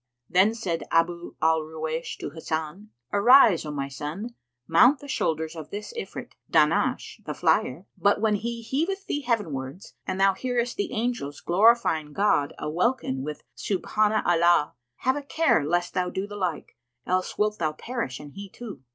Then said Abu al Ruwaysh to Hasan, "Arise, O my son, mount the shoulders of this Ifrit, Dahnash the Flyer; but, when he heaveth thee heaven wards and thou hearest the angels glorifying God a welkin with 'Subhána 'lláh,' have a care lest thou do the like; else wilt thou perish and he too."